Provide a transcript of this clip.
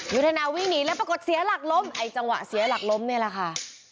ยุทธนาวิ่งหนีแล้วปรากฏเสียหลักล้มไอ้จังหวะเสียหลักล้มนี่แหละค่ะ